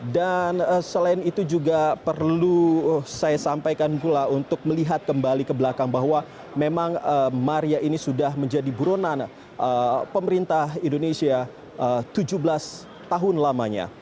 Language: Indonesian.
dan selain itu juga perlu saya sampaikan pula untuk melihat kembali ke belakang bahwa memang maria ini sudah menjadi burunan pemerintah indonesia tujuh belas tahun lamanya